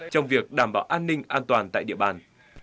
trong việc đảm bảo an ninh an toàn tại địa bàn